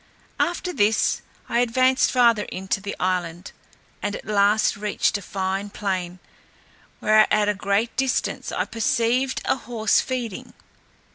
After this I advanced farther into the island, and at last reached a fine plain, where at a great distance I perceived a horse feeding.